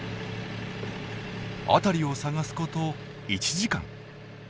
辺りを探すこと１時間。